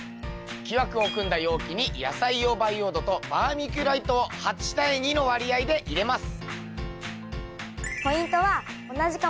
木枠を組んだ容器に野菜用培養土とバーミキュライトを８対２の割合で入れます。